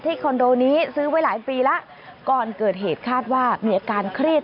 คอนโดนี้ซื้อไว้หลายปีแล้วก่อนเกิดเหตุคาดว่ามีอาการเครียด